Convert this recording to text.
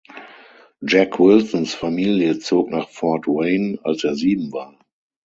Jack Wilsons Familie zog nach Fort Wayne als er sieben war.